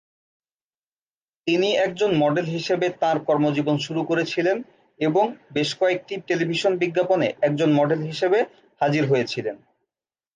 তিনি একজন মডেল হিসাবে তাঁর কর্মজীবন শুরু করেছিলেন এবং বেশ কয়েকটি টেলিভিশন বিজ্ঞাপনে একজন মডেল হিসেবে হাজির হয়েছিলেন।